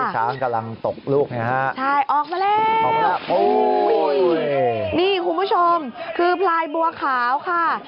ใช่ค่ะใช่ออกมาแล้วโอ้ยคุณผู้ชมคือพลายบัวขาวค่ะ